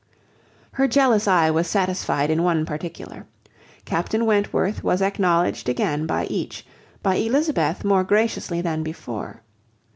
Her jealous eye was satisfied in one particular. Captain Wentworth was acknowledged again by each, by Elizabeth more graciously than before.